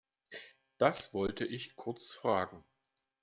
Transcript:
Das wollte ich kurz fragen.